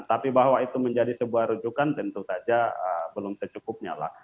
tapi bahwa itu menjadi sebuah rujukan tentu saja belum secukupnya lah